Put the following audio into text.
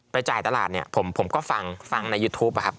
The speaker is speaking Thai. ผมก็ฟังในยูทูปครับ